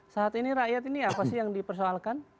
saat ini rakyat ini apa sih yang dipersoalkan